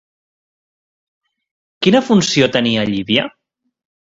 Quina funció tenia Llívia?